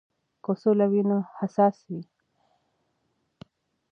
که سوله وي نو حساس وي.